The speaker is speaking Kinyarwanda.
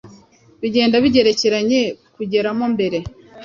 bigenda bigerekeranye kugeramo imbere,